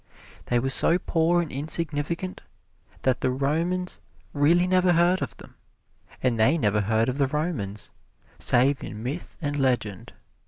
They were so poor and insignificant that the Romans really never heard of them, and they never heard of the Romans, save in myth and legend.